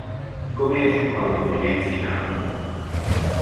Com és el moviment final?